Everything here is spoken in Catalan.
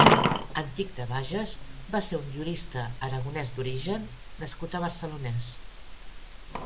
Antich de Bages va ser un jurista aragonès d'origen nascut a Barcelonès.